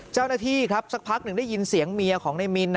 เจ้าหน้าที่ครับสักพักหนึ่งได้ยินเสียงเมียของนายมิน